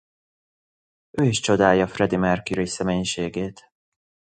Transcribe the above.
Ő is csodálja Freddie Mercury személyiségét.